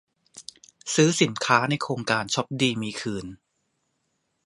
ซื้อสินค้าในโครงการช้อปดีมีคืน